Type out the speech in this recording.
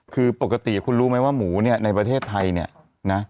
คือปกติคุณรู้ไหมว่าหมูเนี่ยในประเทศไทยเนี่ยนะ